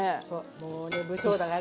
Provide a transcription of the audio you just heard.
もうね不精だから。